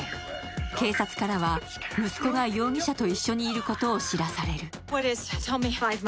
警察からは息子が容疑者と一緒にいることを知らされる。